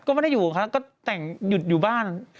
ก็ไม่ได้อยู่ครับก็แต่งหยุดอยู่บ้าน